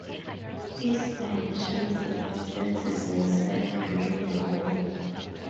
His financial circumstances worsened during the war.